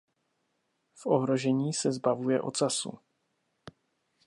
V ohrožení se zbavuje ocasu.